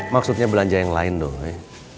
maksudnya belanja yang lain doi